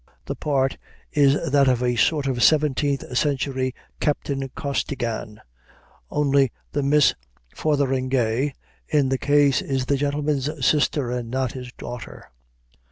The part is that of a sort of seventeenth century Captain Costigan, only the Miss Fotheringay in the case is the gentleman's sister and not his daughter.